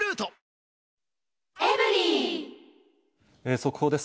速報です。